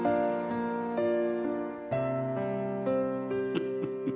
フフフフ